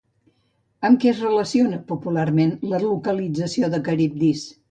Amb què es relaciona, popularment, la localització de Caribdis?